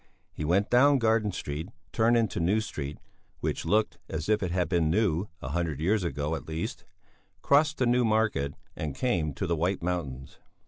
He went down Garden Street, turned into New Street which looked as if it had been new a hundred years ago at least crossed the New Market, and came to the White Mountains.